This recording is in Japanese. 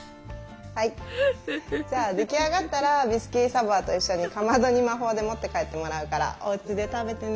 はいじゃあ出来上がったらビスキュイ・ド・サヴォワと一緒にかまどに魔法で持って帰ってもらうからおうちで食べてね。